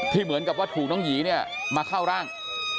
เหมือนกับว่าถูกน้องหยีเนี่ยมาเข้าร่าง